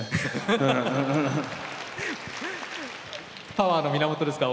パワーの源ですか？